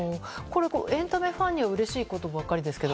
エンタメファンにはうれしいことばかりですけど